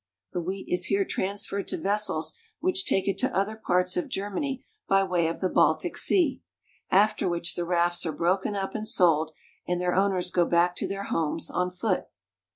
The wheat is here transferred to vessels which BERLIN. 203 take it to other parts of Germany by way of the Baltic Sea, after which the rafts are broken up and sold, and their owners go back to their homes on foot.